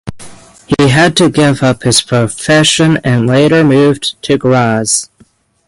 He had to give up his profession and later moved to Graz.